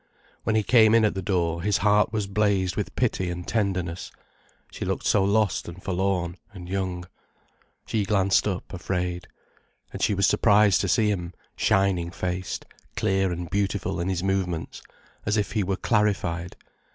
When he came in at the door, his heart was blazed with pity and tenderness, she looked so lost and forlorn and young. She glanced up, afraid. And she was surprised to see him, shining faced, clear and beautiful in his movements, as if he were clarified.